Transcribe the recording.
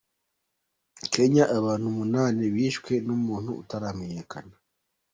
Kenya Abantu umunani bishwe n’umuntu utaramenyekana